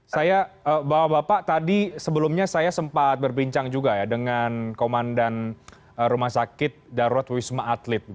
saya bapak bapak tadi sebelumnya saya sempat berbincang juga ya dengan komandan rumah sakit darurat wisma atlet